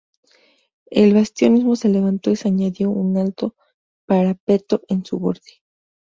El bastión mismo se levantó y se añadió un alto parapeto en su borde.